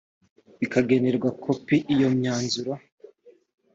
bukagenerwa kopi iyo myanzuro